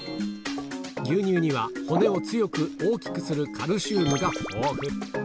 牛乳には、骨を強く大きくするカルシウムが豊富。